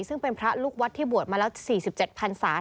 ซึ่งเป็นพระลูกวัดที่บวชมาแล้ว๔๗พันศา